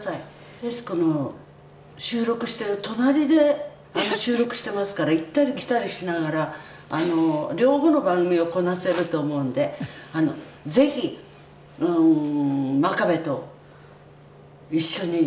「『徹子』の収録してる隣で収録してますから行ったり来たりしながら」「両方の番組をこなせると思うんでぜひ真壁と一緒に共演してみてください」